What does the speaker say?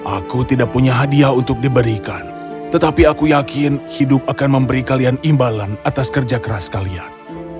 aku tidak punya hadiah untuk diberikan tetapi aku yakin hidup akan memberi kalian imbalan atas kerja keras kalian